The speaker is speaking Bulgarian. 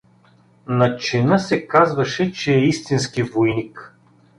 На чина се казваше, че е истински войник.